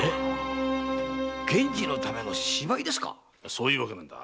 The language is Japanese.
そういうわけなんだ。